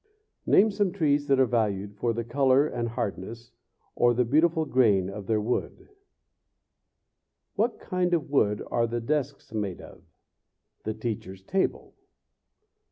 Name some trees that are valued for the color and hardness, or the beautiful grain, of their wood. What kind of wood are the desks made of? The teacher's table?